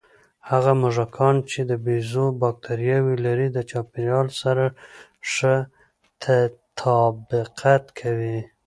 هغه موږکان چې د بیزو بکتریاوې لري، د چاپېریال سره ښه تطابق کوي.